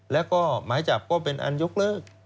แล้วก็หมายจับก็เป็นอันยกเลิก